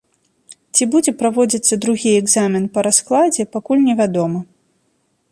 Ці будзе праводзіцца другі экзамен па раскладзе, пакуль невядома.